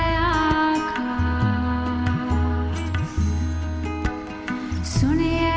episodes yang kita buat